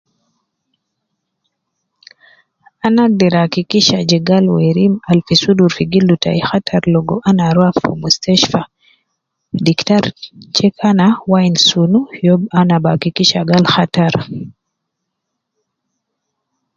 Ana agder akikisha je gal werim Al fi sudur tayi khatar logo ana ruwa fi mustashfa Wu diktari check ana wainu sunu ya ana bi hakikisha gal khatar